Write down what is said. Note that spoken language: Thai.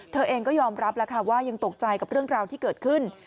เธอเองก็ยอมรับแล้วค่ะว่ายังตกใจกับเรื่องราวที่เกิดขึ้น